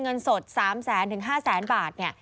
เงินสดสามแสนถึงห้าแสนบาทเนี่ย